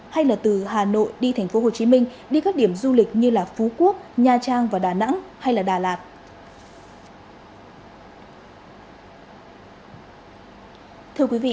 hay từ hà nội đi thành phố hồ chí minh đi các điểm du lịch như phú quốc nha trang và đà nẵng hay đà lạt